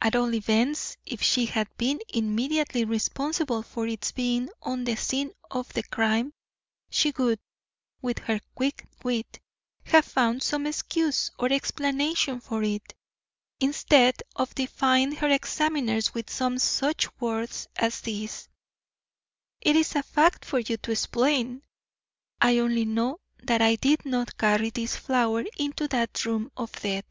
At all events, if she had been immediately responsible for its being on the scene of crime she would, with her quick wit, have found some excuse or explanation for it, instead of defying her examiners with some such words as these: "It is a fact for you to explain. I only know that I did not carry this flower into that room of death."